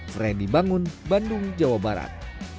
freddy bangun bandung jawa barat